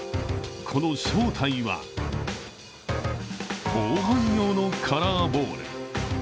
この正体は防犯用のカラーボール。